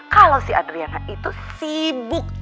kalau si adriana itu sibuk